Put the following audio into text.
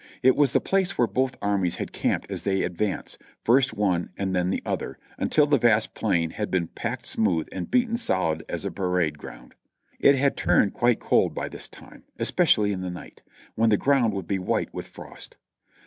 It was the place where both armies had camped as they advanced, first one and then the other, until the vast plain had been packed smooth and beaten solid as a parade ground. It had turned quite cold by this time, especially in the night, when the ground would be white with frost.